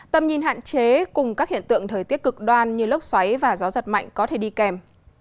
tầm nhìn hạn chế cùng các hiện tượng thời tiết cực đoan như lốc xoáy và gió giật mạnh có thể đi kèm